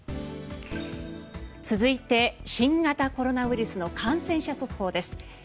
続いては新型コロナウイルスの感染者速報です。